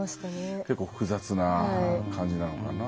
結構複雑な感じなのかな。